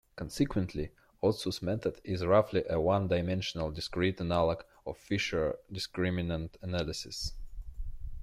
Consequently, Otsu's method is roughly a one-dimensional, discrete analog of Fisher's Discriminant Analysis.